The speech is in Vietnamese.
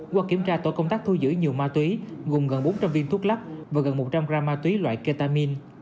qua kiểm tra tội công tác thu giữ nhiều ma túy gồm gần bốn trăm linh viên thuốc lắp và gần một trăm linh gram ma túy loại ketamine